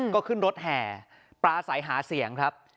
ก็ขึ้นรถแห่ปลาใสหาเสียงครับ